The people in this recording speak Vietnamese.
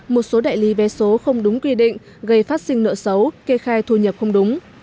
một số đại lý vé số không đúng quy định gây phát sinh nợ xấu kê khai thu nhập không đúng